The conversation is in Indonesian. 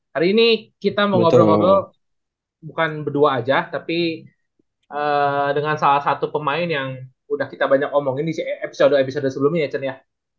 hari ini kita mau ngobrol ngobrol bukan berdua aja tapi dengan salah satu pemain yang udah kita banyak omongin di episode episode sebelumnya ya chen ya